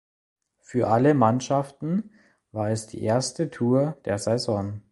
Für alle Mannschaften war es die erste Tour der Saison.